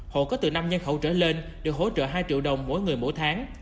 hộ có từ năm nhân khẩu trở lên được hỗ trợ hai triệu đồng mỗi người mỗi tháng